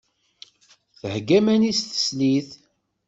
Thegga iman-is teslit.